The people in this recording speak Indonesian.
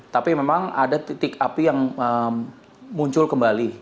tapi memang ada titik api yang muncul kembali